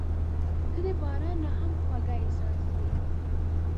• ته د باران نه هم خوږه احساس یې.